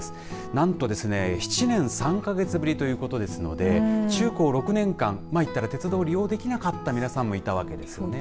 なんとですね、７年３か月ぶりということですので中高６年間鉄道を利用できなかった皆さんもいたわけですね。